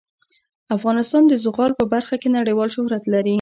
افغانستان د زغال په برخه کې نړیوال شهرت لري.